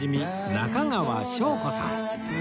中川翔子さん